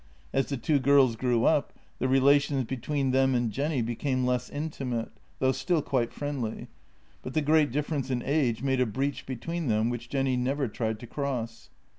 As the two girls grew up, the relations between them and Jenny became less intimate, though still quite friendly, but the great difference in age made a breach between them which Jenny never tried to cross.